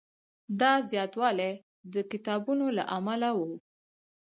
دا زیاتوالی د کتابونو له امله و.